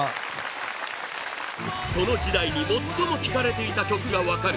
その時代に最も聴かれていた曲が分かる